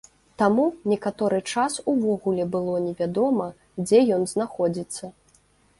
Таму некаторы час увогуле было невядома, дзе ён знаходзіцца.